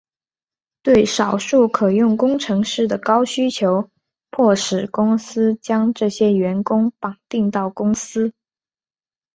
对少数可用工程师的高需求迫使公司将这些员工绑定到公司。